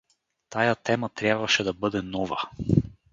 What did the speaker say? Тая тема трябваше да бъде нова.